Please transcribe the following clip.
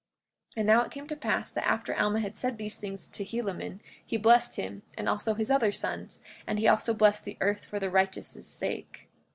45:15 And now it came to pass that after Alma had said these things to Helaman, he blessed him, and also his other sons; and he also blessed the earth for the righteous' sake.